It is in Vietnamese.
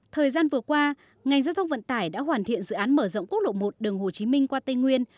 thời gian vừa qua ngành giao thông vận tải đã hoàn thiện dự án mở rộng quốc lộ một đường hồ chí minh qua tây nguyên